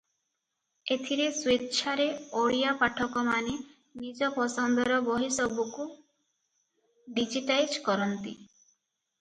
ଏଥିରେ ସ୍ୱେଚ୍ଛାରେ ଓଡ଼ିଆ ପାଠକମାନେ ନିଜ ପସନ୍ଦର ବହିସବୁକୁ ଡିଜିଟାଇଜ କରନ୍ତି ।